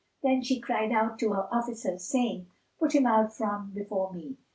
Then she cried out to her officers, saying, "Put him out from before me!"